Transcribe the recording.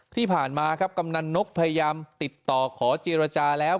ที่ผ่านมาครับกำนันนกพยายามติดต่อขอเจรจาแล้ว